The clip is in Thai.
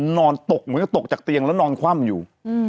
นอนตกเหมือนกับตกจากเตียงแล้วนอนคว่ำอยู่